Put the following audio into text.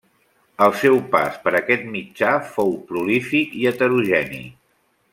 El seu pas per aquest mitjà fou prolífic i heterogeni.